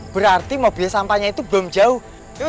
berarti mobil sampahnya itu belum jauh ya fu